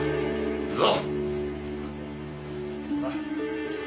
行くぞ！